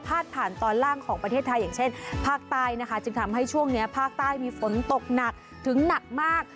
ผ่านตอนล่างของประเทศไทยอย่างเช่นภาคใต้นะคะจึงทำให้ช่วงนี้ภาคใต้มีฝนตกหนักถึงหนักมาก